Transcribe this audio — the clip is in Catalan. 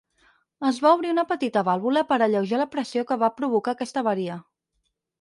Es va obrir una petita vàlvula per alleujar la pressió que va provocar aquesta avaria.